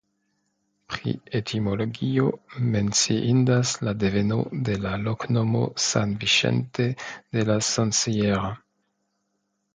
Pri etimologio menciindas la deveno de la loknomo "San Vicente de la Sonsierra".